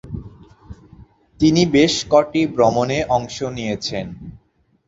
তিনি বেশ কটি ভ্রমণে অংশ নিয়েছেন।